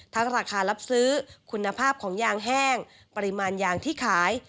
ราคารับซื้อคุณภาพของยางแห้งปริมาณยางที่ขาย